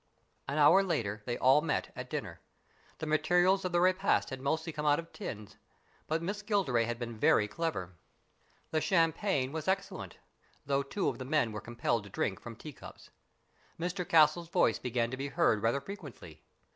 An hour later they all met at dinner. The materials of the repast had mostly come out of tins, but Miss Gilderay had been very clever. The F 82 STORIES IN GREY champagne was excellent, though two of the men were compelled to drink from tea cups. Mr Castle's voice began to be heard rather frequently.